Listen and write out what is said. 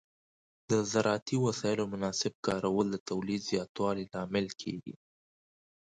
د زراعتي وسایلو مناسب کارول د تولید زیاتوالي لامل کېږي.